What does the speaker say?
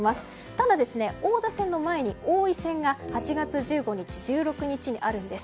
ただ、王座戦の前に王位戦が８月１５日、１６日にあるんです。